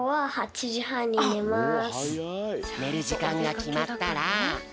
ねるじかんがきまったら。